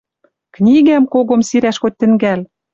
Книгӓм когом сирӓш хоть тӹнгӓл.